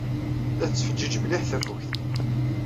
La tettfeǧǧiǧ mliḥ tafukt.